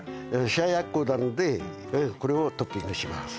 冷奴なのでこれをトッピングします